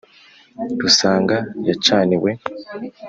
rusanga yacaniwe,